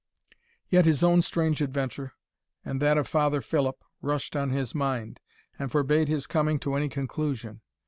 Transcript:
Yet his own strange adventure, and that of Father Philip, rushed on his mind, and forbade his coming to any conclusion.